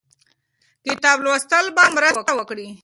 کتاب لوستل به مرسته وکړي.